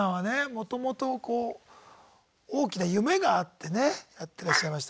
もともとこう大きな夢があってねやってらっしゃいましたから。